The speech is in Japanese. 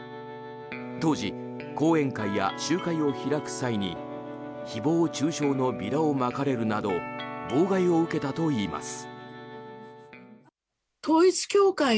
当時、講演会や集会を開く際に誹謗・中傷のビラをまかれるなど妨害を受けたといいます。